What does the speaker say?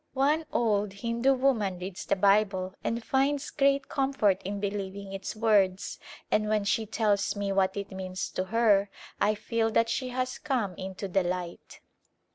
One old Hindu woman reads the Bible and finds great comfort in believing its words and when she tells me what it means to her I feel that she has come into the light.